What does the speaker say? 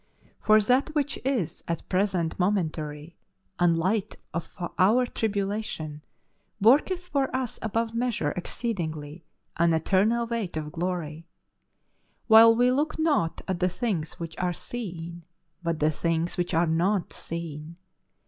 " For that which is at present momentary and light of our tribulation, worketh for us above measure exceedingly an eternal weight of glory; while we look not at the things which are seen but the things which are not seen.